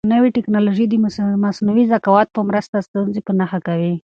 نوې تکنالوژي د مصنوعي ذکاوت په مرسته ستونزې په نښه کوي.